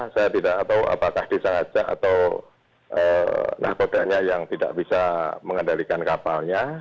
saya tidak tahu apakah disahaja atau lahbodanya yang tidak bisa mengandalkan kapalnya